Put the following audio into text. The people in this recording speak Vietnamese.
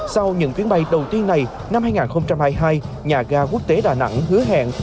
sau những chuyến bay đầu tiên này năm hai nghìn hai mươi hai nhà ga quốc tế đà nẵng hứa hẹn